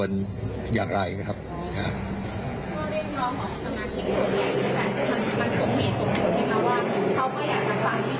เสนอชื่อนี้ไหมครับของเช่นเดชน์นายวกรัฐธนุรี